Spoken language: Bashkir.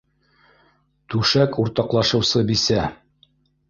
Түшәк уртаҡлашыусы бисә